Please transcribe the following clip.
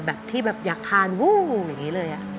แบบที่แบบอยากทานวู้อย่างนี้เลย